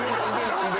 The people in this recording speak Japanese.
何で？